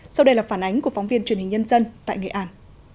sau đây là phản ánh của phóng viên truyền hình nhân dân tại nghệ an